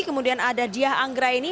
kemudian ada diah anggra ini